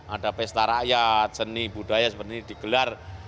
ada pesta rakyat seni budaya seperti ini digelar